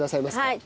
はい。